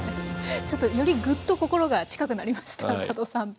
ちょっとよりぐっと心が近くなりました佐渡さんと。